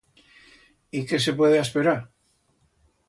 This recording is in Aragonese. Y qué se puede asperar!